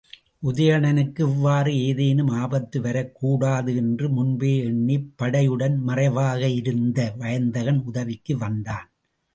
உதயணனுக்கு இவ்வாறு ஏதேனும் ஆபத்து வரக்கூடாது என்று முன்பே எண்ணிப் படையுடன் மறைவாக இருந்த வயந்தகன் உதவிக்கு வந்தான்.